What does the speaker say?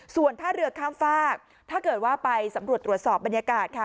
ส่วนท่าเรือข้ามฝากถ้าเกิดว่าไปสำรวจตรวจสอบบรรยากาศค่ะ